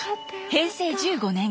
平成１５年